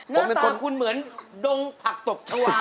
หน้าตาคุณเหมือนดงผักตกชาวามาก